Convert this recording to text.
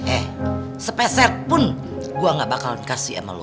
eh sepeset pun gua gak bakalan kasih sama lu